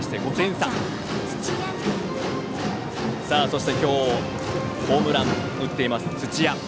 そして今日、ホームランを打っています、土屋。